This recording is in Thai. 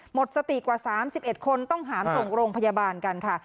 หมดสติกว่า๓๑คนต้องหามส่งโรงพยาบาลกันค่ะ